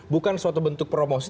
bukan suatu bentuk promosi